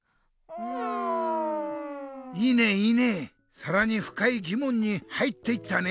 さらにふかいぎもんに入っていったね。